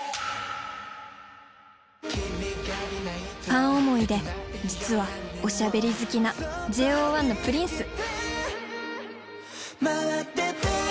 ファン思いで実はおしゃべり好きなＪＯ１のプリンス。